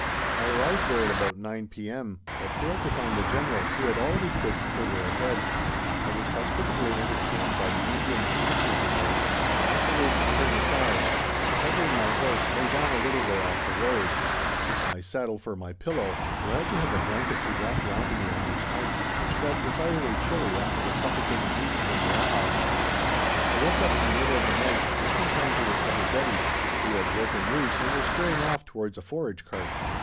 I arrived there at about 9 p.m., but failed to find the General, who had already pushed further ahead. I was hospitably entertained by the Indian Infantry Brigade, and afterwards turned aside, and, tethering my horse, lay down a little way off the road, with my saddle for my pillow, glad to have a blanket to wrap round me on these heights, which felt decidedly chilly after the suffocating heat of the Mellahah. I woke up in the middle of the night just in time to recover Betty, who had broken loose and was straying off towards a forage cart.